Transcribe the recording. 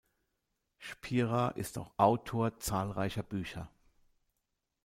Spira ist auch Autor zahlreicher Bücher.